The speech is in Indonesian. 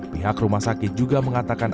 pihak rumah sakit juga mengatakan